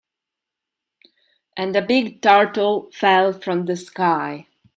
And a big turtle fell from the sky.